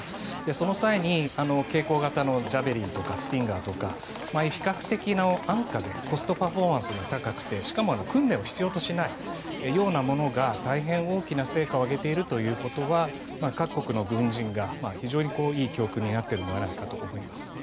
その際に携行型のジャベリンとかスティンガーとか比較的安価でコストパフォーマンスが高くてしかも訓練を必要としないようなものが大変大きな成果を上げているということは各国の軍人が非常にいい教訓になっているのではないかと思います。